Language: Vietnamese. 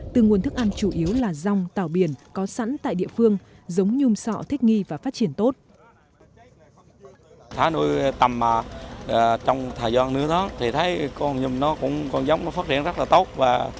từ nguồn thức ăn chủ yếu là rong tàu biển có sẵn tại địa phương giống nhum sọ thích nghi và phát triển tốt